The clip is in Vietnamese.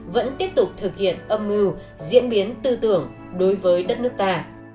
vẫn tiếp tục thực hiện âm mưu diễn biến tư tưởng đối với đất nước ta